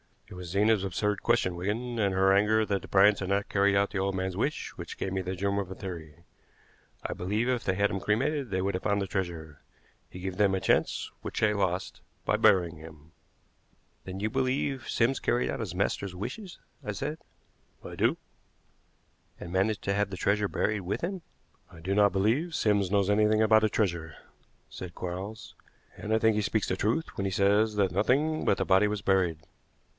It was Zena's absurd question, Wigan, and her anger that the Bryants had not carried out the old man's wish, which gave me the germ of a theory. I believe if they had had him cremated they would have found the treasure. He gave them a chance which they lost by burying him." "Then you believe Sims carried out his master's wishes?" I said. "I do." "And managed to have the treasure buried with him?" "I do not believe Sims knows anything about a treasure," said Quarles; "and I think he speaks the truth when he says that nothing but the body was buried.